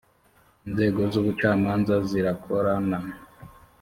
inzego z ‘ubucamanza zirakorana.